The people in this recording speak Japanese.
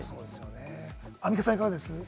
アンミカさん、いかがですか？